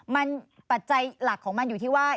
มันปัจจัยหลักของมันอยู่ที่ว่า